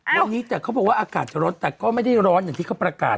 วันนี้แต่เขาบอกว่าอากาศจะร้อนแต่ก็ไม่ได้ร้อนอย่างที่เขาประกาศ